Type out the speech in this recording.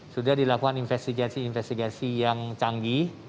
sudah dilakukan investigasi investigasi yang canggih